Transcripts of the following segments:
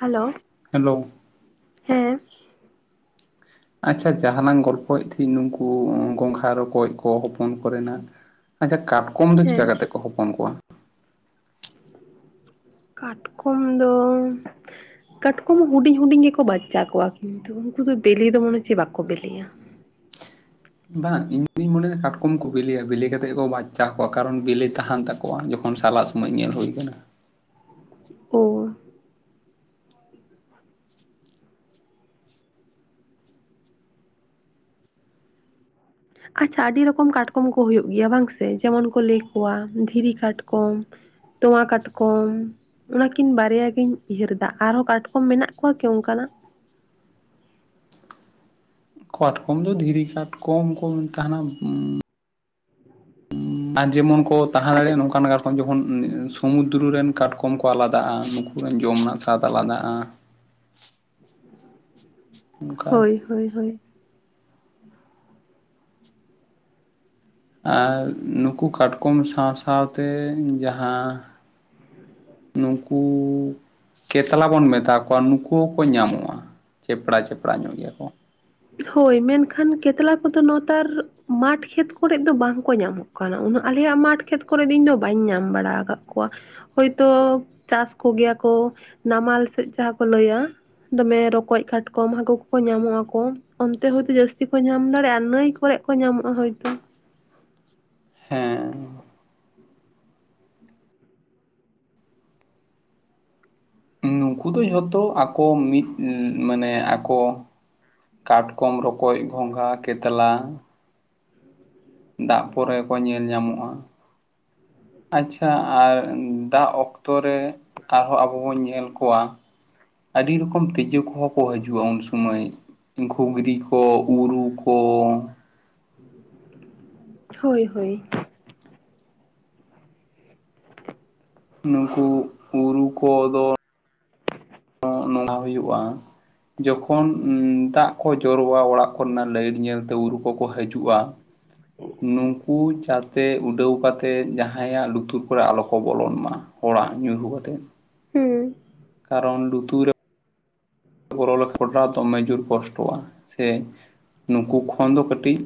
Hello. Hello. ᱦᱮᱸ᱾ ᱟᱪᱪᱷᱟ ᱡᱟᱦᱟᱸ ᱞᱟᱝ ᱜᱚᱞᱯᱷᱚᱭᱮᱫ ᱛᱷᱮᱱ ᱱᱩᱠᱩ ᱜᱚᱝᱜᱷᱟ ᱨᱚᱠᱚᱡ ᱠᱚ ᱦᱚᱯᱚᱱ ᱠᱚᱨᱮᱱᱟᱜ ᱟᱪᱪᱷᱟ ᱠᱟᱴᱠᱚᱢ ᱫᱚ ᱦᱮᱸ ᱪᱮᱠᱟ ᱠᱟᱛᱮ ᱠᱚ ᱦᱚᱯᱚᱱ ᱠᱚᱣᱟ? ᱠᱟᱴᱠᱚᱢ ᱫᱚ, ᱠᱟᱴᱠᱚᱢ ᱦᱩᱰᱤᱧ ᱦᱩᱰᱤᱧ ᱜᱮᱠᱚ ᱵᱟᱪᱪᱟ ᱠᱚᱣᱟ, ᱠᱤᱱᱛᱩ ᱩᱱᱠᱩ ᱫᱚ ᱵᱮᱞᱮ ᱫᱚ ᱢᱚᱱᱮ ᱪᱮᱫ ᱵᱟᱠᱚ ᱵᱮᱞᱮᱭᱟ᱾ ᱵᱟᱝ ᱤᱧ ᱫᱩᱧ ᱢᱚᱱᱮᱭᱟ ᱠᱟᱴᱠᱚᱢ ᱠᱚ ᱵᱤᱞᱤᱭᱟ ᱵᱤᱞᱤ ᱠᱟᱛᱮᱫ ᱠᱚ ᱵᱟᱪᱪᱟ ᱠᱚᱣᱟ, ᱠᱟᱨᱚᱱ ᱵᱮᱞᱮ ᱛᱟᱦᱮᱱ ᱛᱟᱠᱚ ᱠᱚᱣᱟ ᱡᱚᱠᱷᱚᱱ ᱥᱟᱞᱟᱜ ᱥᱚᱢᱚᱭ ᱧᱮᱞ ᱦᱩᱭᱩ ᱟᱠᱟᱱᱟ᱾ [unintelligible] ᱟᱪᱪᱷᱟ ᱟᱹᱰᱤ ᱨᱚᱠᱚᱢ ᱠᱟᱴᱠᱚᱢ ᱠᱚ ᱦᱩᱭᱩᱜ ᱜᱮᱭᱟ ᱵᱟᱝ ᱥᱮ? ᱡᱮᱢᱚᱱ ᱠᱚ ᱞᱟᱹᱭ ᱠᱚᱣᱟ ᱫᱷᱤᱨᱤ ᱠᱟᱴᱠᱚᱢ, ᱛᱚᱣᱟ ᱠᱟᱴᱠᱚᱢ, ᱚᱱᱟᱠᱤᱱ ᱵᱟᱨᱭᱟᱜ ᱜᱤᱧ ᱩᱭᱦᱟᱹᱨ ᱮᱫᱟ ᱟᱨᱦᱚᱸ ᱠᱟᱴᱠᱚᱢ ᱢᱮᱱᱟᱜ ᱠᱚᱣᱟ ᱠᱤ ᱚᱱᱠᱟᱱᱟᱜ? ᱠᱟᱴᱠᱚᱢ ᱫᱚ ᱫᱷᱤᱨᱤ ᱠᱟᱴᱠᱚᱢ ᱠᱚ ᱛᱟᱦᱮᱱᱟ ᱩᱻ ᱩᱸᱻ ᱟᱨ ᱡᱮᱢᱚᱱ ᱠᱚ ᱛᱟᱦᱮᱸ ᱟᱪᱪᱷᱟ ᱫᱟᱲᱮᱭᱟᱜᱼᱟ ᱱᱚᱝᱠᱟ ᱠᱟᱴᱠᱚᱢ ᱡᱮᱢᱚᱱ ᱩᱸ ᱥᱩᱢᱩᱫᱨᱚ ᱨᱮᱱ ᱠᱟᱴᱠᱚᱢ ᱠᱚ ᱟᱞᱟᱫᱟᱜᱼᱟ, ᱱᱩᱠᱩ ᱡᱚᱢ ᱨᱮᱱᱟᱜ ᱥᱟᱫᱽ ᱟᱞᱟᱫᱟᱜᱼᱟ᱾ ᱚᱱᱠᱟ ᱦᱳᱭ ᱦᱳᱭ ᱦᱳᱭ᱾ ᱟᱨ ᱱᱩᱠᱩ ᱠᱟᱴᱠᱚᱢ ᱥᱟᱶ ᱥᱟᱶᱛᱮ, ᱡᱟᱦᱟᱸ ᱱᱩᱠᱩᱻ ᱠᱮᱛᱞᱟ ᱵᱚᱱ ᱢᱮᱛᱟ ᱠᱚᱣᱟ ᱱᱩᱠᱩ ᱠᱚ ᱧᱟᱢᱚᱜ-ᱟ, ᱪᱮᱯᱲᱟ ᱪᱮᱯᱲᱟ ᱧᱚᱜ ᱜᱮᱭᱟ ᱠᱚ᱾ ᱦᱳᱭ ᱢᱮᱱᱠᱷᱟᱱ ᱠᱮᱛᱞᱟ ᱠᱚᱫᱚ ᱱᱮᱛᱟᱨ ᱢᱟᱴᱷ ᱠᱷᱮᱛ ᱠᱚᱨᱮ ᱫᱚ ᱵᱟᱝᱠᱚ ᱧᱟᱢᱚᱜ ᱠᱟᱱᱟ, ᱩᱱᱟᱹᱜ ᱟᱞᱮᱭᱟᱜ ᱢᱟᱴᱷ ᱠᱷᱮᱛ ᱠᱚᱨᱮ ᱫᱚ ᱤᱧ ᱫᱚ ᱵᱟᱧ ᱧᱟᱢ ᱵᱟᱲᱟ ᱟᱠᱟᱫ ᱠᱚᱣᱟ᱾ ᱦᱳᱭᱛᱚ ᱪᱟᱥ ᱠᱚᱜᱮᱭᱟ ᱠᱚ ᱱᱟᱢᱟᱞ ᱥᱮᱫ ᱡᱟᱦᱟᱸ ᱠᱚ ᱞᱟᱹᱭᱟ᱾ ᱢᱟᱱᱮ ᱨᱚᱠᱚᱡ ᱠᱟᱴᱠᱚᱢ ᱦᱟᱠᱩ ᱠᱚᱠᱚ ᱧᱟᱢᱚᱜᱼᱟᱠᱚ᱾ ᱚᱱᱛᱮ ᱦᱳᱭᱛᱚ ᱡᱟᱹᱥᱛᱤ ᱠᱚ ᱧᱟᱢ ᱫᱟᱲᱮᱭᱟᱜ-ᱟ, ᱱᱟᱹᱭ ᱠᱚᱨᱮ ᱠᱚ ᱧᱟᱢᱚᱜ-ᱟ ᱦᱳᱭᱛᱚ᱾ ᱦᱮᱸᱻ ᱱᱩᱠᱩ ᱫᱚ ᱡᱷᱚᱛᱚ ᱟᱠᱚ ᱢᱤᱫ ᱢᱟᱱᱮ ᱟᱠᱚ ᱠᱟᱴᱠᱚᱢ ᱨᱚᱠᱚᱡ ᱜᱚᱸᱜᱷᱟ ᱠᱮᱛᱟᱞᱟ ᱫᱟᱜ ᱯᱚᱨᱮ ᱠᱚ ᱧᱮᱞ ᱧᱟᱢᱚᱜᱼᱟ᱾ ᱟᱪᱪᱷᱟ ᱟᱨ ᱫᱟᱜ ᱚᱠᱛᱚ ᱨᱮ ᱟᱨᱦᱚᱸ ᱟᱵᱩ ᱵᱩᱱ ᱧᱮᱞ ᱠᱚᱣᱟ ᱟᱹᱰᱤ ᱨᱚᱠᱚᱢ ᱛᱤᱡᱩ ᱠᱚᱦᱚᱸ ᱠᱚ ᱦᱤᱡᱩᱜ-ᱟ ᱩᱱ ᱥᱩᱢᱟᱹᱭ᱾ ᱜᱷᱩᱜᱽᱜᱨᱤ ᱠᱚ, ᱩᱨᱩ ᱠᱚ, ᱦᱳᱭ ᱦᱳᱭ᱾ ᱱᱩᱠᱩ ᱩᱨᱩ ᱠᱚᱫᱚ [unintelligible] ᱱᱚᱣᱟ ᱦᱩᱭᱩᱜ-ᱟ ᱾ ᱡᱚᱠᱷᱚᱱ ᱫᱟᱜ ᱠᱚ ᱡᱚᱨᱚᱜ-ᱟ ᱚᱲᱟᱜ ᱠᱚᱨᱮᱱᱟᱜ ᱞᱟᱹᱭᱤᱴ ᱧᱮᱞᱛᱮ ᱩᱨᱩ ᱠᱚᱠᱚ ᱦᱤᱡᱩᱜ-ᱟ ᱾ ᱱᱩᱝᱠᱩ ᱡᱟᱛᱮ ᱩᱰᱟᱹᱣ ᱠᱟᱛᱮᱫ ᱡᱟᱦᱟᱸᱭᱟᱜ ᱞᱩᱛᱩᱨ ᱠᱚᱨᱮ ᱟᱞᱚ ᱠᱚ ᱵᱚᱞᱚᱱ ᱢᱟ ᱾ ᱚᱲᱟᱜ ᱧᱩᱨᱩ ᱠᱟᱛᱮᱫ ᱦᱩᱸ ᱠᱟᱨᱚᱱ ᱞᱩᱛᱩᱨᱮ [unintelligible] ᱯᱷᱚᱴᱟ ᱫᱚᱢᱮ ᱡᱳᱨ ᱠᱚᱥᱴᱚᱣ-ᱟ ᱥᱮ ᱱᱩᱠᱩ ᱠᱷᱚᱱ ᱫᱚ ᱠᱟᱹᱴᱤᱡ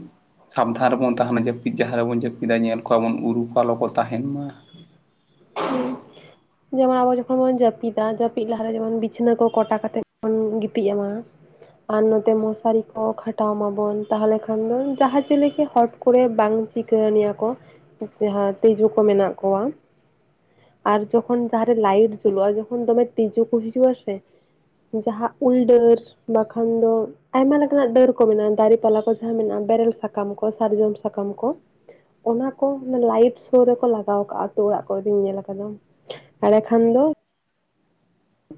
ᱥᱟᱵᱫᱷᱟᱱ ᱨᱮᱵᱚᱱ ᱛᱟᱦᱮᱱᱟ ᱡᱟᱹᱯᱤᱫ ᱡᱟᱦᱟᱸ ᱨᱮᱵᱚᱱ ᱡᱟᱹᱯᱤᱫᱟ ᱧᱮᱞ ᱠᱚᱣᱟ ᱵᱚᱱ ᱩᱨᱩᱠᱚ ᱟᱞᱚ ᱠᱚ ᱛᱟᱦᱮᱱ ᱢᱟ ᱾ ᱦᱩᱸ ᱡᱮᱢᱚᱱ ᱟᱵᱚ ᱡᱚᱠᱷᱚᱱ ᱵᱚᱱ ᱡᱟᱹᱯᱤᱫᱟ ᱡᱟᱹᱯᱤᱫ ᱞᱟᱦᱟᱨᱮ ᱡᱮᱢᱚᱱ ᱵᱤᱪᱷᱟᱹᱱᱟ ᱠᱚ ᱠᱚᱴᱟ ᱠᱟᱛᱮᱫ ᱵᱚᱱ ᱜᱤᱛᱤᱡ ᱮᱢᱟ ᱾ ᱟᱨ ᱱᱚᱛᱮ ᱢᱚᱥᱟᱨᱤ ᱠᱚ ᱠᱷᱟᱴᱟᱣ ᱢᱟ ᱵᱚᱱ ᱛᱟᱦᱚᱞᱮ ᱠᱷᱟᱱ ᱫᱚ ᱡᱟᱦᱟᱸ ᱪᱤᱤ ᱜᱮ ᱦᱚᱴ ᱠᱚᱨᱮ ᱵᱟᱝ ᱥᱤᱠᱟᱹᱨᱱᱤᱭᱟᱹ ᱠᱚ ᱡᱟᱦᱟᱸ ᱛᱤᱡᱩ ᱠᱚ ᱢᱮᱱᱟᱜ ᱠᱚᱣᱟ ᱾ ᱟᱨ ᱡᱚᱠᱷᱚᱱ ᱡᱟᱦᱟᱸ ᱨᱮ ᱞᱟᱭᱤᱴ ᱡᱩᱞᱩᱜ-ᱟ ᱡᱚᱠᱷᱚᱱ ᱫᱚᱢᱮ ᱛᱤᱡᱩ ᱠᱚ ᱦᱤᱡᱩᱜ-ᱟ ᱥᱮ ᱡᱟᱦᱟᱸ ᱩᱞ ᱰᱟᱹᱨ ᱵᱟᱠᱷᱟᱱ ᱫᱚ ᱟᱭᱢᱟ ᱞᱮᱠᱟᱱᱟᱜ ᱰᱟᱹᱨ ᱠᱚ ᱢᱮᱱᱟᱜ-ᱟ ᱫᱟᱨᱮ ᱯᱟᱞᱦᱟ ᱠᱚ ᱡᱟᱦᱟᱸ ᱢᱮᱱᱟᱜ-ᱟ ᱵᱮᱨᱮᱞ ᱥᱟᱠᱟᱢ ᱠᱚ ᱥᱟᱨᱡᱚᱢ ᱥᱟᱠᱟᱢ ᱠᱚ ᱚᱱᱟ ᱠᱚ ᱞᱟᱭᱤᱵ ᱥᱚᱨ ᱨᱮᱠᱚ ᱞᱟᱜᱟᱣ ᱠᱟᱜ-ᱟ ᱟᱛᱩ ᱚᱲᱟᱜ ᱠᱚᱨᱮ ᱧᱮᱞ ᱟᱠᱟᱫᱟᱢ ᱮᱸᱰᱮ ᱠᱷᱟᱱ ᱫᱚ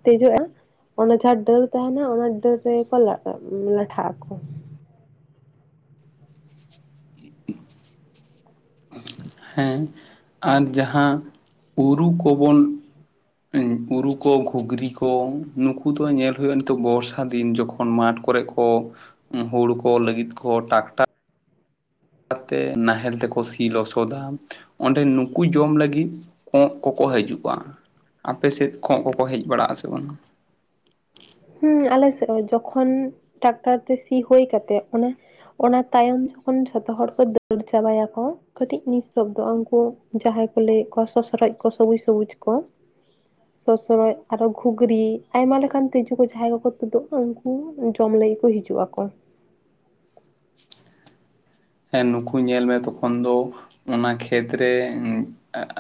ᱫᱮᱡᱚᱜ-ᱟ ᱚᱱᱟ ᱡᱟᱦᱟᱸ ᱰᱟᱹᱨ ᱛᱟᱦᱮᱱᱟ ᱚᱱᱟ ᱰᱟᱹᱨ ᱨᱮᱜᱮᱠᱚ ᱞᱟᱴᱷᱟᱜ-ᱟ ᱠᱚ ᱦᱮᱸ ᱟᱨ ᱡᱟᱦᱟᱸ ᱩᱨᱩ ᱠᱚᱵᱚᱱ ᱩᱨᱩ ᱠᱚ ᱜᱷᱩᱜᱽᱨᱤ ᱠᱚ ᱱᱩᱠᱩ ᱫᱚ ᱧᱮᱞ ᱦᱩᱭᱩᱜ-ᱟ ᱱᱤᱛᱚᱜ ᱵᱚᱨᱥᱟ ᱫᱤᱱ ᱡᱚᱠᱷᱚᱱ ᱢᱟᱴ ᱠᱚᱨᱮ ᱚ ᱦᱩᱲᱩ ᱠᱚ ᱞᱟᱹᱜᱤᱫ ᱠᱚ ᱴᱟᱠᱴᱟᱨ ᱛᱮ ᱱᱟᱦᱮᱞ ᱛᱮ ᱠᱚ ᱥᱤ ᱞᱚᱥᱚᱫᱟ ᱚᱸᱰᱮ ᱱᱩᱠᱩ ᱡᱚᱢ ᱞᱟᱹᱜᱤᱫ ᱠᱚᱸᱜ ᱠᱚᱠᱚ ᱦᱤᱡᱩᱜ-ᱟ ᱟᱯᱮ ᱥᱮᱫ ᱠᱚᱸᱜ ᱠᱚᱠᱚ ᱦᱮᱡ ᱵᱟᱲᱟᱜ-ᱟ ᱥᱮ ᱵᱟᱝ? ᱦᱩᱸ ᱟᱞᱮ ᱥᱮᱫ ᱦᱚᱸ ᱡᱚᱠᱷᱚᱱ ᱴᱨᱟᱠᱴᱟᱨ ᱛᱮ ᱥᱤ ᱦᱩᱭ ᱠᱟᱛᱮᱜ ᱚᱱᱟ ᱚᱱᱟ ᱛᱟᱭᱚᱢ ᱡᱚᱠᱷᱚᱱ ᱡᱷᱚᱛᱚ ᱦᱚᱲ ᱠᱚ ᱫᱟᱹᱲ ᱪᱟᱵᱟᱭᱟᱠᱚ ᱠᱟᱹᱴᱤᱡ ᱱᱤᱥᱥᱚᱵᱫᱚ ᱩᱱᱠᱩ ᱡᱟᱦᱟᱸᱭ ᱠᱚ ᱞᱟᱹᱭᱮᱫ ᱠᱚᱣᱟ ᱥᱚᱥᱨᱚᱡᱽ ᱠᱚ ᱥᱚᱵᱩᱡ- ᱥᱚᱵᱩᱡ ᱠᱚ ᱥᱚᱥᱚᱨᱚᱡ ᱟᱨᱚ ᱜᱷᱩᱜᱽᱨᱤ ᱟᱭᱢᱟ ᱞᱮᱠᱟᱱ ᱛᱤᱡᱩ ᱩᱱᱠᱩ ᱡᱟᱦᱟᱸᱭ ᱠᱚᱠᱚ ᱛᱩᱫᱩᱜ-ᱟᱠᱚ ᱩᱱᱠᱩ ᱡᱚᱢ ᱞᱟᱹᱜᱤᱫ ᱠᱚ ᱦᱤᱡᱩᱜ-ᱟᱠᱚ ᱾ ᱦᱮᱸ ᱱᱩᱠᱩ ᱧᱮᱞ ᱢᱮ ᱛᱚᱠᱷᱚᱱ ᱫᱚ ᱚᱱᱟ ᱠᱷᱮᱛ ᱨᱮ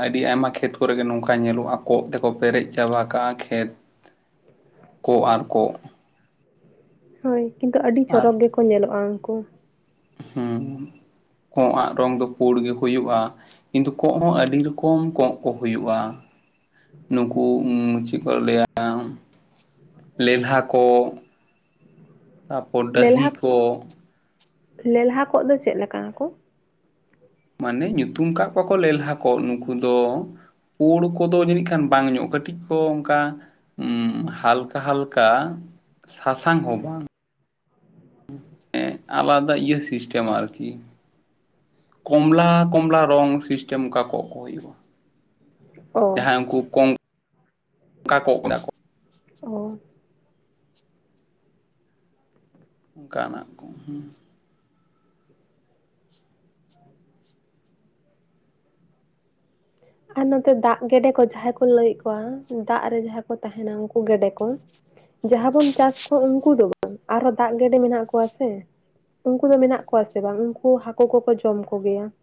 ᱟᱹᱰᱤ ᱟᱭᱢᱟ ᱠᱷᱮᱛ ᱠᱚᱨᱮ ᱜᱮ ᱱᱚᱝᱠᱟ ᱧᱮᱞᱚᱜ-ᱟ ᱠᱚᱸᱜ ᱛᱮᱠᱚ ᱯᱮᱨᱮᱡ ᱪᱟᱵᱟ ᱠᱟᱜᱼᱟ ᱠᱷᱮᱛ ᱾ ᱠᱚᱸᱜ ᱟᱨ ᱠᱚᱸᱜ ᱦᱟᱭ ᱠᱤᱱᱛᱩ ᱟᱹᱰᱤ ᱟᱨ ᱪᱚᱨᱚᱠ ᱜᱮᱠᱚ ᱧᱮᱞᱚᱜᱼᱟ ᱩᱱᱠᱩ ᱾ ᱦᱮᱸ ᱠᱚᱸᱜ ᱟᱜ ᱨᱚᱝ ᱫᱚ ᱯᱩᱲ ᱜᱮ ᱦᱩᱭᱩᱜᱼᱟ ᱾ ᱠᱤᱱᱛᱩ ᱠᱚᱸᱜ ᱦᱚᱸ ᱟᱹᱰᱤ ᱨᱚᱠᱚᱢ ᱠᱚᱸᱜ ᱠᱚ ᱦᱩᱭᱩᱜᱼᱟ ᱾ ᱱᱩᱠᱩ ᱪᱮᱫ ᱠᱚ ᱞᱟᱹᱭᱟ ᱾ ᱞᱮᱞᱦᱟ ᱠᱚᱸᱜ ᱛᱟᱨ ᱯᱚᱨ ᱰᱟᱹᱦᱤ ᱞᱮᱞᱦᱟ ᱠᱚ ᱠᱚᱸᱜ ᱞᱮᱞᱦᱟ ᱠᱚᱸᱜ ᱫᱚ ᱪᱮᱫ ᱞᱮᱠᱟᱱᱟᱠᱚ? ᱢᱟᱱᱮ ᱧᱩᱛᱩᱢ ᱠᱟᱜ ᱠᱚᱣᱟ ᱠᱚ ᱞᱮᱞᱦᱟ ᱠᱚᱸᱜ ᱱᱩᱠᱩ ᱫᱚ ᱯᱩᱲ ᱠᱚᱫᱚ ᱡᱟᱹᱱᱤᱡ ᱠᱷᱟᱱ ᱵᱟᱝ ᱧᱚᱜᱼᱟ ᱠᱟᱹᱴᱤᱡ ᱠᱚ ᱚᱱᱠᱟ ᱦᱩᱸ ᱦᱟᱞᱠᱟ-ᱦᱟᱞᱠᱟ ᱥᱟᱥᱟᱝ ᱦᱚᱸ ᱵᱟᱝ ᱟᱞᱟᱫᱟ ᱤᱭᱟᱹ ᱥᱤᱥᱴᱮᱢ ᱟᱨᱠᱤ ᱠᱚᱢᱞᱟ-ᱠᱚᱢᱞᱟ ᱨᱚᱝ ᱥᱤᱥᱴᱮᱢ ᱚᱠᱟ ᱠᱚᱸᱜ ᱠᱚ ᱦᱩᱭᱩᱜᱼᱟ ᱾ ᱚ ᱡᱟᱦᱟᱸᱭ ᱩᱱᱠᱩ ᱠᱚᱜ [unintelligible] ᱠᱚᱜ ᱢᱮᱱᱟᱜ ᱠᱚᱣᱟ ᱚᱻ ᱚᱱᱠᱟᱱᱟᱜ ᱠᱚ ᱟᱨ ᱱᱚᱛᱮ ᱫᱟᱜ ᱜᱮᱰᱮ ᱠᱚ ᱡᱟᱦᱟᱸᱭ ᱠᱚ ᱞᱟᱹᱭᱮᱜ ᱠᱚᱣᱟ ᱫᱟᱜ ᱨᱮ ᱡᱟᱦᱟᱸᱭ ᱠᱚ ᱛᱟᱦᱮᱱᱟ ᱩᱱᱠᱩ ᱜᱮᱰᱮ ᱠᱚ ᱡᱟᱦᱟᱸ ᱵᱚᱱ ᱪᱟᱥ ᱠᱚᱣᱟ ᱩᱱᱠᱩ ᱫᱚ ᱵᱟᱝ ᱟᱨᱦᱚᱸ ᱫᱟᱜ ᱜᱮᱰᱮ ᱢᱮᱱᱟᱜ ᱠᱚᱣᱟ ᱥᱮ ᱩᱱᱠᱩ ᱫᱚ ᱢᱮᱱᱟᱜ ᱠᱚᱣᱟ ᱥᱮ ᱵᱟᱝ ᱩᱱᱠᱩ ᱦᱟᱹᱠᱩ ᱠᱚᱠᱚ ᱡᱚᱢ ᱠᱚ ᱜᱮᱭᱟ ᱾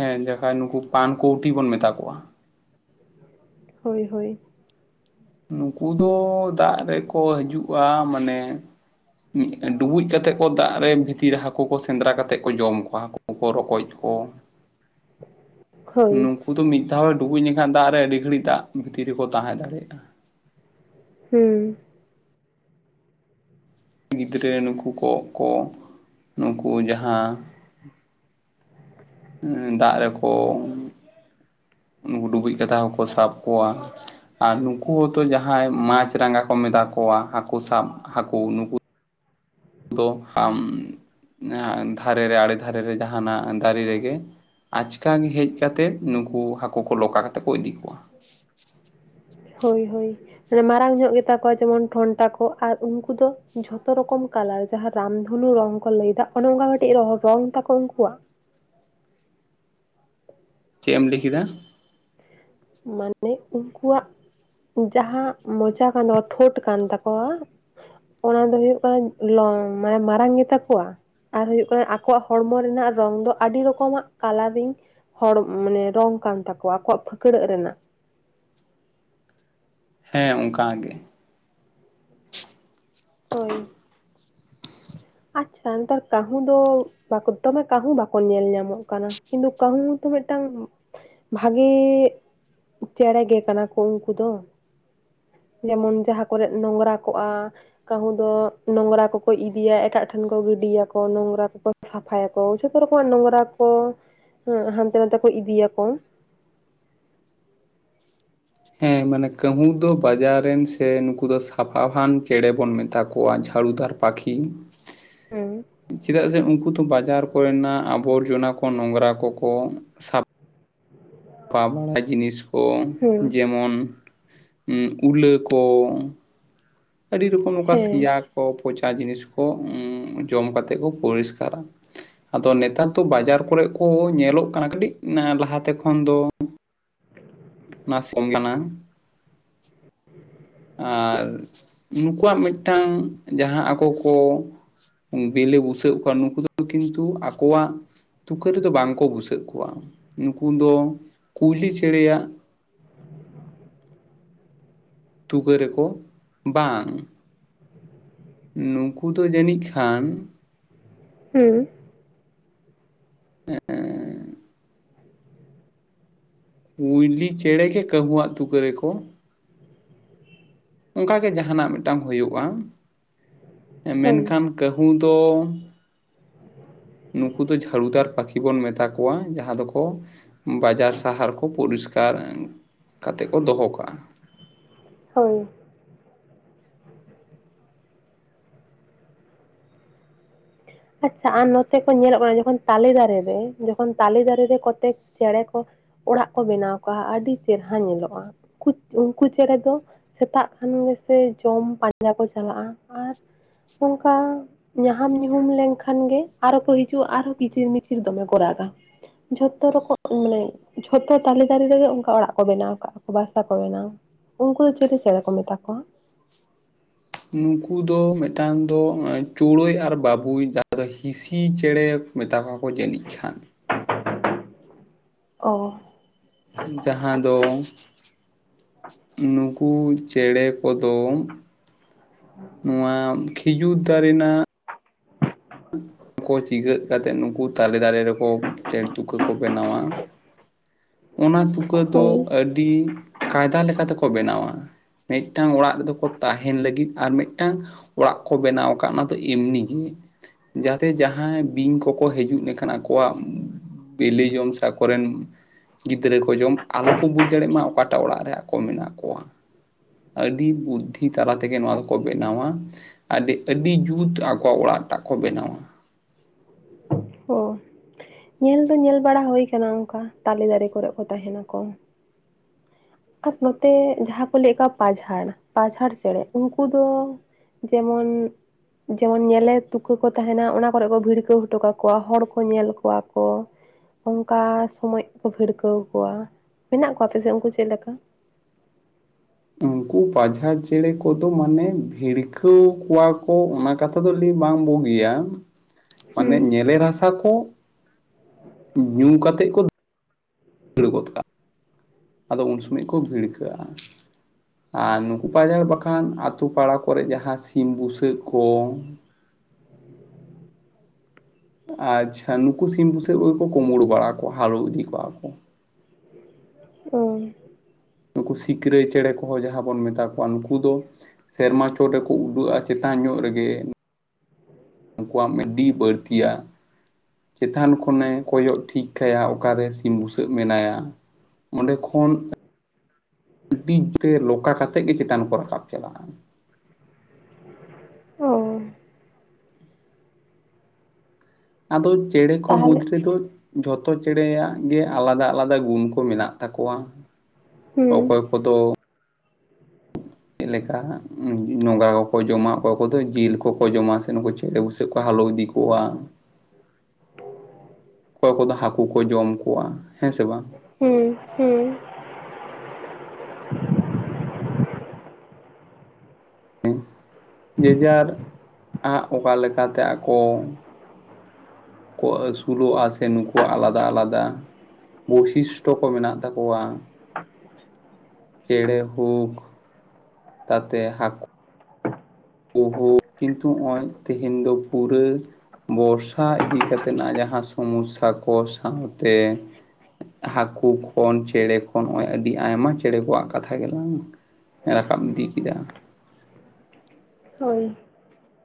ᱦᱮᱸ ᱡᱩᱦᱟᱱ ᱩᱱᱠᱩ ᱯᱟᱱᱠᱩᱣᱴᱤ ᱵᱚᱱ ᱢᱮᱛᱟ ᱠᱚᱣᱟ ᱾ ᱦᱚᱭ ᱦᱚᱭ ᱾ ᱱᱩᱠᱩ ᱫᱚ ᱫᱟᱜ ᱨᱮᱠᱚ ᱦᱤᱡᱩᱜᱼᱟ ᱢᱟᱱᱮ ᱰᱩᱵᱩᱡ ᱠᱟᱛᱮ ᱠᱚ ᱫᱟᱜ ᱨᱮ ᱵᱷᱤᱛᱤᱨ ᱨᱮ ᱦᱟᱹᱠᱩ ᱠᱚ ᱥᱮᱸᱫᱽᱨᱟ ᱠᱟᱛᱮ ᱠᱚ ᱡᱚᱢ ᱠᱚᱣᱟ ᱦᱟᱹᱠᱩ ᱠᱚ ᱨᱚᱠᱚᱡ ᱠᱚ ᱾ ᱦᱳᱭ ᱱᱩᱠᱩ ᱫᱚ ᱢᱤᱫ ᱫᱷᱟᱣᱮ ᱰᱩᱵᱩᱡ ᱞᱮᱱᱠᱷᱟᱱ ᱫᱟᱜ ᱨᱮ ᱟᱹᱰᱤ ᱜᱷᱟᱹᱲᱤᱡ ᱫᱟᱜ ᱵᱷᱤᱛᱤᱨ ᱨᱮᱠᱚ ᱛᱟᱦᱮᱸ ᱫᱟᱲᱮᱭᱟᱜᱼᱟ ᱾ ᱦᱩᱸ ᱜᱤᱫᱽᱨᱟᱹ ᱱᱩᱠᱩ ᱠᱚᱸᱜ ᱠᱚ ᱱᱩᱠᱩ ᱡᱟᱦᱟᱸ ᱫᱟᱜ ᱨᱮᱠᱚ ᱩᱱᱠᱩ ᱰᱩᱵᱩᱡ ᱠᱟᱛᱮ ᱦᱟᱸᱠᱩ ᱠᱚ ᱥᱟᱵ ᱠᱚᱣᱟ ᱾ ᱟᱨ ᱱᱩᱠᱩ ᱦᱚᱸᱛᱚ ᱡᱟᱦᱟᱸᱭ ᱢᱟᱪᱷ ᱨᱟᱸᱜᱟ ᱠᱚ ᱢᱮᱛᱟ ᱠᱚᱣᱟ ᱦᱟᱹᱠᱩ ᱥᱟᱵ ᱦᱟᱹᱠᱩ ᱱᱩᱠᱩ ᱫᱚ ᱟᱢ ᱫᱷᱟᱨᱮ ᱨᱮ ᱟᱲᱮ ᱫᱷᱟᱨᱮ ᱨᱮ ᱡᱟᱦᱟᱱᱟᱜ ᱫᱟᱨᱮ ᱨᱮᱜᱮ ᱟᱪᱠᱟ ᱜᱮ ᱦᱮᱡ ᱠᱟᱛᱮᱫ ᱱᱩᱠᱩ ᱦᱟᱹᱠᱩ ᱠᱚ ᱞᱚᱠᱷᱟ ᱠᱟᱛᱮ ᱠᱚ ᱤᱫᱤ ᱠᱚᱣᱟ ᱾ ᱦᱳᱭ ᱦᱳᱭ ᱾ ᱢᱟᱨᱟᱝ ᱧᱚᱜ ᱜᱮ ᱛᱟᱠᱚᱣᱟ ᱡᱮᱢᱚᱱ ᱴᱷᱚᱱᱴᱟ ᱠᱚ ᱟᱨ ᱩᱱᱠᱩ ᱫᱚ ᱡᱷᱚᱛᱚ ᱨᱚᱠᱚᱢ ᱠᱟᱞᱟᱨ ᱾ ᱡᱟᱦᱟᱸ ᱨᱟᱢᱫᱷᱚᱱᱩ ᱨᱚᱝ ᱠᱚ ᱞᱟᱹᱭ ᱮᱫᱟ ᱚᱱᱮ ᱚᱱᱠᱟ ᱠᱟᱹᱴᱤᱡ ᱨᱚᱝ ᱛᱟᱠᱚ ᱩᱱᱠᱩᱣᱟᱜ ᱾ ᱪᱮᱫ ᱮᱢ ᱞᱟᱹᱭ ᱠᱮᱫᱟ? ᱢᱟᱱᱮ ᱩᱱᱠᱩᱣᱟᱜ ᱡᱟᱦᱟᱸ ᱢᱚᱪᱟ ᱠᱟᱱᱟ ᱴᱷᱳᱴ ᱠᱟᱱ ᱛᱟᱠᱚᱣᱟ ᱚᱱᱟ ᱫᱚ ᱦᱩᱭᱩᱜ ᱠᱟᱱᱟ ᱞᱚᱝ ᱢᱟᱱᱮ ᱢᱟᱨᱟᱝ ᱜᱮ ᱛᱟᱠᱚᱣᱟ ᱾ ᱟᱨ ᱦᱩᱭᱩᱜ ᱠᱟᱱᱟ ᱟᱠᱚᱣᱟᱜ ᱦᱚᱲᱢᱚ ᱨᱮᱱᱟᱜ ᱨᱚᱝ ᱫᱚ ᱟᱹᱰᱤ ᱨᱚᱠᱚᱢᱟᱜ ᱠᱟᱞᱟᱨᱤᱝ ᱦᱚᱲ ᱢᱟᱱᱮ ᱨᱚᱝ ᱠᱟᱱ ᱛᱟᱠᱚᱣᱟ ᱟᱠᱚᱣᱟᱜ ᱯᱷᱟᱹᱠᱲᱟᱹᱜ ᱨᱮᱱᱟᱜ ᱦᱮᱸ ᱚᱝᱠᱟ ᱜᱮ ᱦᱳᱭ ᱾ ᱟᱪᱪᱷᱟ ᱱᱮᱛᱟᱨ ᱠᱟᱹᱦᱩᱸ ᱫᱚ ᱛᱚᱵᱮ ᱠᱟᱹᱦᱩ ᱵᱟᱠᱚ ᱧᱮᱞ ᱧᱟᱢᱚᱜ ᱠᱟᱱᱟ ᱠᱤᱱᱛᱩ ᱠᱟᱹᱦᱩ ᱛᱚ ᱢᱤᱫᱴᱟᱝ ᱵᱷᱟᱜᱮ ᱪᱮᱬᱮ ᱜᱮ ᱠᱟᱱᱟ ᱠᱚ ᱩᱱᱠᱩ ᱫᱚ ᱡᱮᱢᱚᱱ ᱡᱟᱦᱟᱸ ᱠᱚᱨᱮ ᱱᱚᱝᱨᱟ ᱠᱚᱜᱼᱟ ᱠᱟᱹᱦᱩ ᱫᱚ ᱱᱚᱝᱨᱟ ᱠᱚ ᱠᱚ ᱤᱫᱤᱭᱟ ᱮᱴᱟᱜ ᱴᱷᱮᱱ ᱠᱚ ᱜᱤᱰᱤᱭᱟᱠᱚ ᱱᱚᱝᱨᱟ ᱠᱚᱠᱚ ᱥᱟᱯᱷᱟᱭᱟᱠᱚ ᱡᱷᱚᱛᱚ ᱨᱚᱠᱚᱢᱟᱜ ᱱᱚᱝᱨᱟ ᱠᱚ ᱦᱮᱸ ᱦᱟᱱᱛᱮ ᱱᱟᱛᱮ ᱠᱚ ᱤᱫᱤᱭᱟᱠᱚ ᱦᱮᱸ ᱢᱟᱱᱮ ᱠᱟᱹᱦᱩ ᱫᱚ ᱵᱟᱡᱟᱨ ᱨᱮᱱ ᱥᱮ ᱱᱩᱠᱩ ᱫᱚ ᱥᱟᱯᱷᱟᱵᱟᱱ ᱪᱮᱬᱮ ᱵᱚᱱ ᱢᱮᱛᱟ ᱠᱚᱣᱟ ᱡᱷᱟᱲᱩᱫᱟᱨ ᱾ ᱯᱟᱠᱷᱤ ᱦᱮᱸ ᱪᱮᱫᱟᱜ ᱥᱮ ᱩᱱᱠᱩ ᱫᱚ ᱵᱟᱡᱟᱨ ᱠᱚᱨᱮᱱᱟᱜ ᱟᱵᱚᱨᱡᱚᱱᱟ ᱠᱚ ᱱᱚᱝᱨᱟ ᱠᱚᱠᱚ ᱥᱟᱯ ᱥᱟᱯᱷᱟ ᱵᱟᱲᱟ ᱡᱤᱱᱤᱥ ᱠᱚ ᱦᱮᱸ ᱡᱮᱢᱚᱱ ᱩᱞᱟᱹ ᱠᱚ ᱟᱹᱰᱤ ᱨᱚᱠᱚᱢ ᱱᱚᱝᱠᱟ ᱦᱮᱸ ᱥᱮᱭᱟ ᱠᱚ ᱯᱚᱪᱟ ᱡᱤᱱᱤᱥ ᱠᱚ ᱡᱚᱢ ᱠᱟᱛᱮᱫ ᱠᱚ ᱯᱚᱨᱤᱥᱠᱟᱨᱟ ᱟᱫᱚ ᱱᱮᱛᱟᱨ ᱫᱚ ᱵᱟᱡᱟᱨ ᱠᱚᱨᱮᱜ ᱠᱚ ᱧᱮᱞᱚᱜ ᱠᱟᱱᱟ ᱠᱟᱹᱴᱤᱡ ᱞᱟᱦᱟᱛᱮ ᱠᱷᱚᱱ ᱫᱚ [unintelligible] ᱟᱨ ᱩᱱᱠᱩᱣᱟᱜ ᱢᱤᱫᱴᱟᱝ ᱡᱟᱦᱟᱸ ᱟᱠᱚ ᱠᱚ ᱵᱮᱞᱮ ᱵᱷᱩᱥᱟᱹᱜ ᱠᱚᱣᱟ ᱱᱩᱠᱩ ᱫᱚ ᱠᱤᱱᱛᱩ ᱟᱠᱚᱣᱟᱜ ᱛᱩᱠᱟᱹ ᱨᱮᱫᱚ ᱵᱟᱝ ᱠᱚ ᱵᱷᱩᱥᱟᱹᱜ ᱠᱚᱣᱟ ᱱᱩᱠᱩ ᱫᱚ ᱠᱩᱭᱞᱤ ᱪᱮᱬᱮᱭᱟᱜ [inaudible] ᱛᱩᱠᱟᱹ ᱨᱮᱠᱚ ᱵᱟᱝ ᱱᱩᱠᱩ ᱫᱚ ᱡᱟᱹᱱᱤᱡ ᱠᱷᱟᱱ ᱦᱩᱸ [unintelligible] [inaudible] ᱠᱩᱭᱞᱤ ᱪᱮᱬᱮ ᱜᱮ ᱠᱟᱹᱦᱩᱣᱟᱜ ᱛᱩᱠᱟᱹ ᱨᱮᱠᱚ ᱚᱱᱠᱟ ᱜᱮ ᱡᱟᱦᱟᱱᱟᱜ ᱢᱤᱫᱴᱟᱝ ᱦᱩᱭᱩᱜᱼᱟ ᱦᱳᱭ ᱢᱮᱱᱠᱷᱟᱱ ᱠᱟᱹᱦᱩ ᱫᱚ ᱱᱩᱠᱩ ᱫᱚ ᱡᱷᱟᱲᱩᱫᱟᱨ ᱯᱟᱠᱷᱤ ᱵᱚᱱ ᱢᱮᱛᱟ ᱠᱚᱣᱟ ᱡᱟᱦᱟᱸ ᱫᱚᱠᱚ ᱵᱟᱡᱟᱨ ᱥᱟᱦᱟᱨ ᱠᱚ ᱯᱚᱨᱤᱥᱠᱟᱨ ᱠᱟᱛᱮᱜ ᱠᱚ ᱫᱚᱦᱚ ᱠᱟᱜᱼᱟ ᱾ ᱦᱳᱭ ᱟᱪᱪᱷᱟ ᱟᱨ ᱱᱚᱛᱮ ᱠᱚ ᱧᱮᱞᱚᱜ ᱠᱟᱱᱟ ᱡᱚᱠᱷᱚᱱ ᱛᱟᱞᱮ ᱫᱟᱨᱮ ᱨᱮ ᱡᱚᱠᱷᱚᱱ ᱛᱟᱞᱮ ᱫᱟᱨᱮ ᱨᱮ ᱠᱚᱛᱮᱠ ᱪᱮᱬᱮ ᱠᱚ ᱚᱲᱟᱜ ᱠᱚ ᱵᱮᱱᱟᱣ ᱠᱟᱜᱼᱟ ᱟᱹᱰᱤ ᱪᱮᱦᱮᱨᱟ ᱧᱮᱞᱚᱜᱼᱟ ᱩᱱᱠᱩ ᱪᱮᱬᱮ ᱫᱚ ᱥᱮᱛᱟᱜ ᱠᱷᱟᱱ ᱜᱮ ᱥᱮ ᱡᱚᱢ ᱯᱟᱸᱡᱟ ᱠᱚ ᱪᱟᱞᱟᱜᱼᱟ ᱟᱨ ᱚᱱᱠᱟ ᱧᱟᱦᱟᱢ ᱧᱩ ᱧᱩᱦᱩᱢ ᱞᱮᱱᱠᱷᱟᱱ ᱜᱮ ᱟᱨᱦᱚᱸ ᱠᱚ ᱦᱤᱡᱩᱜᱼᱟ ᱟᱨᱦᱚᱸ ᱠᱤᱪᱤᱨ ᱢᱤᱪᱤᱨ ᱫᱚᱢᱮ ᱠᱚ ᱨᱟᱜᱟ᱾ ᱡᱷᱚᱛᱚ ᱨᱚᱠᱚᱢ [inaudible] ᱡᱚᱛᱚ ᱛᱟᱞᱮ ᱫᱟᱨᱮ ᱨᱮᱜᱮ ᱚᱱᱠᱟ ᱚᱲᱟᱜ ᱠᱚ ᱵᱮᱱᱟᱣ ᱟᱠᱟᱫᱼᱟ ᱠᱚ ᱵᱟᱥᱟ ᱠᱚ ᱵᱮᱱᱟᱣᱟ ᱩᱱᱠᱩ ᱫᱚ ᱪᱤᱞᱤ ᱪᱮᱬᱮ ᱠᱚ ᱢᱮᱛᱟ ᱠᱚᱣᱟ? ᱱᱩᱠᱩ ᱫᱚ ᱢᱤᱫᱴᱟᱝ ᱫᱚ ᱪᱩᱲᱟᱹᱭ ᱟᱨ ᱵᱟᱹᱵᱩᱭ ᱡᱟᱦᱟᱸ ᱫᱚ ᱦᱤᱥᱤ ᱪᱮᱬᱮ ᱢᱮᱛᱟ ᱠᱚᱣᱟ ᱠᱚ ᱡᱟᱹᱱᱤᱡ ᱪᱷᱟᱱ᱾ ᱚ ᱡᱟᱦᱟᱸ ᱫᱚ ᱱᱩᱠᱩ ᱪᱮᱬᱮ ᱠᱚᱫᱚ [unintelligible] ᱱᱚᱣᱟ ᱠᱷᱤᱡᱩᱨ ᱫᱟᱨᱮ ᱱᱟᱜ ᱠᱚ ᱪᱤᱜᱟᱹᱜ ᱠᱟᱛᱮᱫ ᱱᱩᱠᱩ ᱛᱟᱞᱮ ᱫᱟᱨᱮ ᱨᱮᱠᱚ ᱪᱮᱬᱮ ᱛᱩᱠᱟᱹ ᱠᱚ ᱵᱮᱱᱟᱣᱟ᱾ ᱚᱱᱟ ᱛᱩᱠᱟᱹ ᱫᱚ ᱦᱳᱭ ᱟᱹᱰᱤ ᱠᱟᱭᱫᱟ ᱞᱮᱠᱟ ᱛᱮᱠᱚ ᱵᱮᱱᱟᱣᱟ᱾ ᱢᱤᱫᱴᱟᱝ ᱚᱲᱟᱜ ᱨᱮᱫᱚ ᱠᱚ ᱛᱟᱦᱮᱱ ᱞᱟᱹᱜᱤᱫ ᱟᱨ ᱢᱤᱫᱴᱟᱝ ᱚᱲᱟᱜ ᱠᱚ ᱵᱮᱱᱟᱣ ᱟᱠᱟᱫ ᱚᱱᱟ ᱫᱚ ᱮᱢᱱᱤ ᱜᱮ ᱡᱟᱛᱮ ᱡᱟᱦᱟᱸᱭ ᱵᱤᱧ ᱠᱚᱠᱚ ᱦᱤᱡᱩᱜ ᱞᱮᱠᱷᱟᱱ ᱟᱠᱚ ᱟᱠᱚᱣᱟᱜ ᱵᱤᱞᱤ ᱡᱚᱝ ᱥᱮ ᱟᱠᱚᱨᱮᱱ ᱜᱤᱫᱽᱨᱟᱹ ᱠᱚ ᱡᱚᱢ ᱟᱞᱚ ᱠᱚ ᱵᱩᱡᱽ ᱫᱟᱲᱮᱜ ᱢᱟ ᱚᱠᱟᱴᱟᱜ ᱚᱲᱟᱜ ᱨᱮ ᱟᱠᱚ ᱢᱮᱱᱟᱜ ᱠᱚᱣᱟ ᱟᱹᱰᱤ ᱵᱩᱫᱽᱫᱷᱤ ᱛᱟᱞᱟ ᱛᱮᱜᱮ ᱱᱚᱣᱟ ᱫᱚᱠᱚ ᱵᱮᱱᱟᱣᱟ᱾ ᱟᱹᱰᱤ ᱟᱹᱰᱤ ᱡᱩᱛ ᱟᱠᱚᱣᱟᱜ ᱚᱲᱟᱜ ᱴᱟᱜ ᱠᱚ ᱵᱮᱱᱟᱣᱟ᱾ ᱦᱚ ᱧᱮᱞ ᱫᱚ ᱧᱮᱞ ᱵᱟᱲᱟ ᱦᱩᱭ ᱠᱟᱱᱟ ᱚᱱᱠᱟ ᱛᱟᱞᱮ ᱫᱟᱨᱮ ᱠᱚᱨᱮᱜ ᱠᱚ ᱛᱟᱦᱮᱱᱟᱠᱚ᱾ ᱟᱨ ᱱᱚᱛᱮ ᱡᱟᱦᱟᱸ ᱠᱚ ᱞᱟᱹᱭᱮᱫ ᱠᱚᱣᱟ ᱯᱟᱡᱷᱟᱲ ᱯᱟᱡᱷᱟᱲ ᱪᱮᱬᱮ ᱩᱱᱠᱩ ᱫᱚ ᱡᱮᱢᱚᱱ ᱡᱮᱢᱚᱱ ᱧᱮᱞᱮ ᱛᱩᱠᱟᱹ ᱠᱚ ᱛᱟᱦᱮᱱᱟ ᱚᱱᱟ ᱠᱚᱨᱮ ᱠᱚ ᱵᱷᱤᱲᱠᱟᱹᱣ ᱦᱚᱴᱚ ᱠᱟᱠᱚ ᱠᱚᱣᱟ ᱦᱚᱲ ᱠᱚ ᱧᱮᱞ ᱠᱚᱣᱟ ᱠᱚ᱾ ᱚᱱᱠᱟ ᱥᱚᱢᱚᱭ ᱠᱚ ᱵᱷᱤᱲᱠᱟᱹᱣ ᱠᱚᱣᱟ ᱢᱮᱱᱟᱜ ᱠᱚᱣᱟ ᱟᱯᱮ ᱥᱮᱫ ᱩᱱᱠᱩ ᱪᱮᱫ ᱞᱮᱠᱟ‌‌? ᱩᱱᱠᱩ ᱯᱟᱡᱷᱟᱲ ᱪᱮᱬᱮ ᱠᱚᱫᱚ ᱢᱟᱱᱮ ᱵᱷᱤᱲᱠᱟᱹᱣ ᱠᱚᱣᱟ ᱠᱚ ᱚᱱᱟ ᱠᱟᱛᱷᱟ ᱫᱚ ᱞᱟᱹᱭ ᱵᱟᱝ ᱵᱩᱜᱤᱭᱟ ᱢᱟᱱᱮ ᱦᱩᱸ ᱧᱮᱞᱮ ᱨᱟᱥᱟ ᱠᱚ ᱧᱩ ᱠᱟᱛᱮ ᱠᱚ ᱫᱟᱹᱲ ᱜᱚᱫ ᱠᱟᱜᱼᱟ ᱟᱫᱚ ᱩᱱ ᱥᱚᱢᱚᱭ ᱠᱚ ᱵᱷᱤᱲᱠᱟᱹᱜᱼᱟ᱾ ᱟᱨ ᱱᱩᱠᱩ ᱯᱟᱡᱷᱟᱲ ᱵᱟᱠᱷᱟᱱ ᱟᱛᱳ ᱯᱟᱲᱟ ᱠᱚᱨᱮ ᱡᱟᱦᱟᱸ ᱥᱤᱢ ᱵᱩᱥᱟᱹᱜ ᱠᱚ ᱟᱪᱪᱷᱟ ᱱᱩᱠᱩ ᱥᱤᱢ ᱵᱩᱥᱟᱹᱜ ᱠᱚᱜᱮ ᱠᱚ ᱠᱩᱢᱲᱩ ᱵᱟᱲᱟ ᱠᱚᱣᱟ ᱦᱟᱨᱩ ᱤᱫᱤ ᱠᱚᱣᱟ ᱠᱚ᱾ ᱚ ᱱᱩᱠᱩ ᱥᱤᱠᱨᱟᱹᱭ ᱪᱮᱬᱮ ᱠᱚᱦᱚᱸ ᱡᱟᱦᱟ ᱵᱚᱱ ᱢᱮᱛᱟ ᱠᱚᱣᱟ ᱱᱩᱠᱩ ᱫᱚ ᱥᱮᱨᱢᱟ ᱪᱚᱴ ᱨᱮᱠᱚ ᱩᱰᱟᱹᱜᱼᱟ ᱪᱮᱛᱟᱱ ᱧᱚᱜ ᱨᱮᱜᱮ᱾ ᱱᱠᱩᱣᱟᱜ ᱢᱤᱰᱤ ᱵᱟᱹᱲᱛᱤᱭᱟ ᱪᱮᱛᱟᱱ ᱠᱷᱚᱱᱮ ᱠᱚᱭᱚᱜ ᱴᱷᱤᱠ ᱠᱟᱭᱟ ᱚᱠᱟᱨᱮ ᱥᱤᱢ ᱵᱩᱥᱟᱹᱜ ᱢᱮᱱᱟᱭᱟ ᱚᱸᱰᱮ ᱠᱷᱚᱱ ᱟᱹᱰᱤ ᱛᱮ ᱞᱚᱠᱟ ᱠᱟᱛᱮᱜ ᱜᱮ ᱪᱮᱛᱟᱱ ᱠᱚ ᱨᱟᱠᱟᱵ ᱪᱟᱞᱟᱜᱼᱟ ᱚ ᱟᱫᱚ ᱪᱮᱬᱮ ᱠᱚ ᱢᱩᱫᱽ ᱛᱟᱦᱚᱞᱮ ᱨᱮᱫᱚ ᱡᱚᱛᱚ ᱪᱮᱬᱮᱭᱟᱜ ᱜᱮ ᱟᱞᱟᱫᱟ ᱟᱞᱟᱫᱟ ᱜᱩᱱ ᱠᱚ ᱢᱮᱱᱟᱜ ᱛᱟᱠᱚᱣᱟ ᱦᱩᱸ ᱚᱠᱚᱭ ᱠᱚᱫᱚ ᱪᱮᱫ ᱞᱮᱠᱟ ᱱᱚᱝᱟ ᱠᱚᱠᱚ ᱡᱚᱢᱟ ᱚᱠᱚᱭ ᱠᱚᱫᱚ ᱡᱤᱞ ᱠᱚᱠᱚ ᱡᱚᱢᱟ ᱥᱮ ᱱᱩᱠᱩ ᱪᱮᱞᱮ ᱵᱩᱥᱟᱹᱜ ᱠᱚ ᱦᱟᱞᱳ ᱤᱫᱤ ᱠᱚᱣᱟ ᱚᱠᱚᱭ ᱠᱚᱫᱚ ᱦᱟᱠᱳ ᱠᱚ ᱡᱚᱢ ᱠᱚᱣᱟ ᱦᱮᱸ ᱥᱮ ᱵᱟᱝ? ᱦᱮᱸ ᱦᱮᱸ ᱡᱮᱡᱟᱨ ᱟᱜ ᱚᱠᱟ ᱞᱮᱠᱟᱛᱮ ᱟᱠᱚ ᱠᱚ ᱟᱹᱥᱩᱞᱚᱜᱼᱟ ᱥᱮ ᱱᱩᱠᱩᱣᱟᱜ ᱟᱞᱟᱫᱟ ᱟᱞᱟᱫᱟ ᱵᱳᱭᱥᱤᱥᱴᱚ ᱠᱚ ᱢᱮᱱᱟᱜ ᱛᱟᱠᱚᱣᱟ᱾ ᱪᱮᱬᱮ ᱦᱳᱠ ᱛᱟᱛᱮ [unintelligible] ᱩᱦᱩ ᱠᱤᱱᱛᱩ ᱱᱚᱜ-ᱚᱭ ᱛᱮᱦᱮᱧ ᱫᱚ ᱯᱩᱨᱟᱹ ᱵᱚᱨᱥᱟ ᱤᱫᱤ ᱠᱟᱛᱮᱱᱟᱜ ᱡᱟᱦᱟ ᱥᱚᱢᱚᱥᱥᱟ ᱠᱚ ᱥᱟᱶᱛᱮ ᱦᱟᱠᱳ ᱠᱷᱚᱱ ᱪᱮᱬᱮ ᱠᱷᱚᱱ ᱦᱚᱜ-ᱚᱭ ᱟᱹᱰᱤ ᱟᱭᱢᱟ ᱪᱮᱬᱮ ᱠᱚᱣᱟᱜ ᱠᱟᱛᱷᱟ ᱜᱮᱞᱟᱝ ᱨᱟᱠᱟᱵ ᱤᱫᱤ ᱠᱮᱫᱟᱹ ᱦᱳᱭ